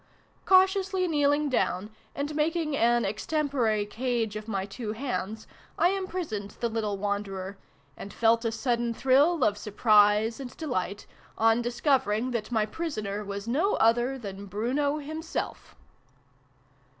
Cautiously kneel ing down, and making an ex tempore cage of my two hands, I imprisoned the little wanderer, .and felt a sudden thrill of surprise and delight on discovering that my prisoner was no other than Bruno himself!